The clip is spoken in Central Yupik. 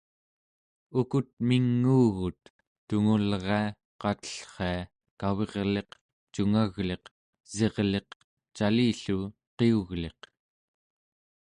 ukut minguugut: tungulria, qatellria, kavirliq, cungagliq, esirliq, cali-llu qiugliq